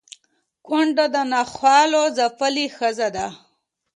کونډه د ناخوالو ځپلې ښځه ده